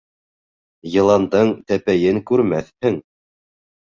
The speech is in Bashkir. Йыландың тәпәйен күрмәҫһең.